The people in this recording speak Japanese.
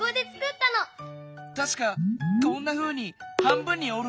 たしかこんなふうに半分におるんだよね。